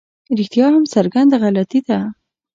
رښتیا هم څرګنده غلطي ده.